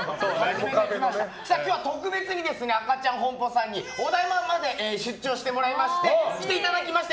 今日は特別にアカチャンホンポさんにお台場まで出張してもらいまして来ていただきました。